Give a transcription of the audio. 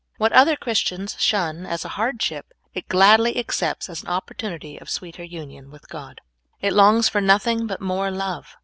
What other Christians shun as a hardship, it gladl}^ accepts as an opportunity of sweeter union with God. It longs for nothing but more love.